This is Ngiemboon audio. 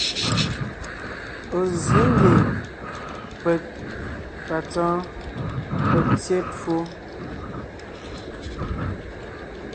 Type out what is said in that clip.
Ɔ̀ zsě ngie peg ,patsɔ́ɔn, peg tyé twó.